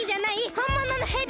ほんもののヘビ！